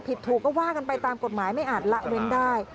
ผิดถูกก็ว่ากันไปตามกฎหมายไม่อาจละเว้นได้